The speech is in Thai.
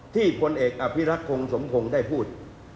ที่คนเอกอภิรัติคงสมคงได้พูด